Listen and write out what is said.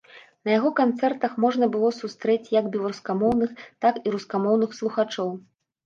На яго канцэртах можна было сустрэць як беларускамоўных, так і рускамоўных слухачоў.